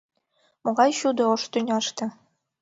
Могай чудо ош тӱняште?»